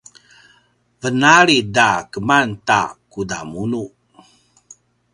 venalid a keman ta kudamunu